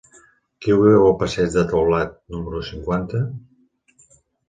Qui viu al passeig del Taulat número cinquanta?